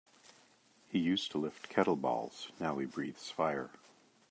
He used to lift kettlebells now he breathes fire.